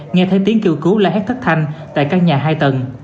nghe thấy tiếng kêu cứu la hét thất thanh tại các nhà hai tầng